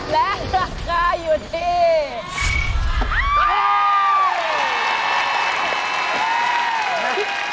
และราคาอยู่ที่